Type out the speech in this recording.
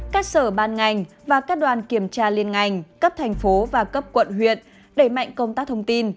các sở ban ngành và các đoàn kiểm tra liên ngành cấp thành phố và cấp quận huyện đẩy mạnh công tác thông tin